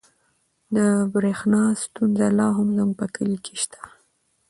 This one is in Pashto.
د برښنا ستونزه لا هم زموږ په کلي کې شته.